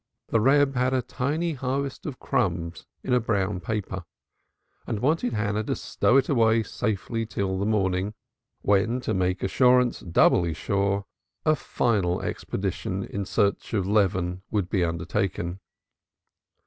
The Reb had a tiny harvest of crumbs in a brown paper, and wanted Hannah to stow it away safely till the morning, when, to make assurance doubly sure, a final expedition in search of leaven would be undertaken.